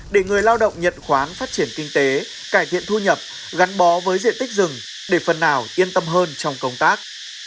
để người lao động nhận khoán phát triển kinh tế cải thiện thu nhập gắn bó với diện tích rừng để phần nào yên tâm hơn trong công tác